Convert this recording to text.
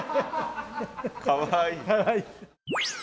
かわいい。